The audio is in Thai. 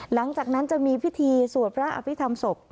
หลังจากนั้นจะมีพิธีสวดพระอภิษฐรรมศพ